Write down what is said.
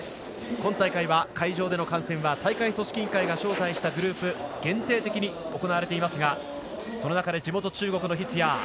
今大会は会場での観戦は大会組織委員会が招待したグループ限定で行われていますがその中で地元・中国の畢野。